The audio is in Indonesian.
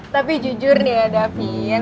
tapi jujur ya davin